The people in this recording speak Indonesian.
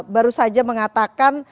baru saja mengatakan